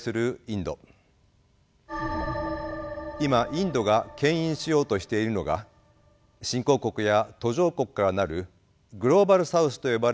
今インドがけん引しようとしているのが新興国や途上国から成るグローバル・サウスと呼ばれる国々です。